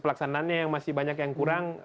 pelaksanaannya yang masih banyak yang kurang